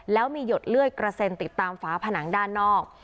แล้วมีหยดเลือดกระเซ็นติดตามฝาผนังด้านนอก